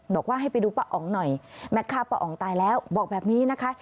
บอกว่าให้ไปดูป้าอ๋องหน่อยแม็กฆ่าป้าอ๋องตายแล้วบอกแบบนี้นะคะ